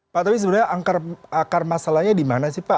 pak tapi sebenarnya akar masalahnya di mana sih pak